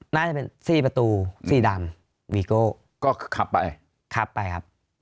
น่าจะเป็นสี่ประตูสีดำวีโก้ก็ขับไปขับไปครับ